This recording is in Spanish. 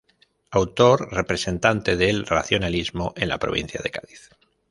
Autor representante del Racionalismo en la provincia de Cádiz.